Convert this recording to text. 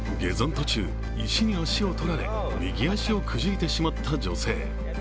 途中、医師に足を取られ右足をくじいてしまった女性。